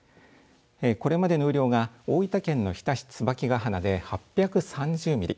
これまでの雨量が大分県の日田市椿ヶ鼻で８３０ミリ